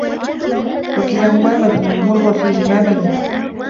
وَكِلَاهُمَا مَذْمُومٌ ، وَهُوَ فِيهِمَا مَلُومٌ